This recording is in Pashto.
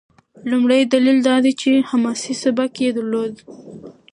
لومړی دلیل دا دی چې حماسي سبک یې درلود.